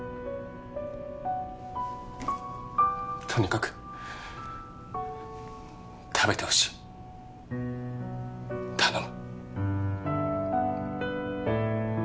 とにかく食べてほしい頼む